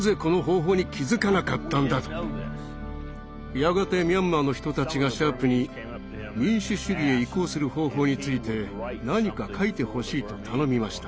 やがてミャンマーの人たちがシャープに民主主義へ移行する方法について何か書いてほしいと頼みました。